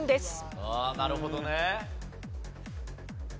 ああなるほどね。